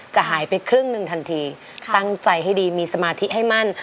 จะหายไปครึ่งหนึ่งทันทีตั้งใจให้ดีมีสมาธิให้มั่น